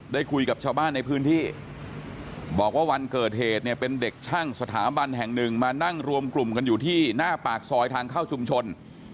ได้คุยกับชาวบ้านในพื้นที่บอกว่าวันเกิดเหตุเนี่ยเป็นเด็กช่างสถาบันแห่งหนึ่งมานั่งรวมกลุ่มกันอยู่ที่หน้าปากซอยทางเข้าชุมชน